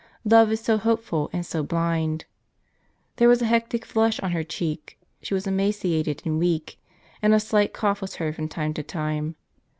Love is so hope ful, and so blind ! There was a hectic flush on her cheek, she was emaciated and weak, and a slight cough was heard from time to time.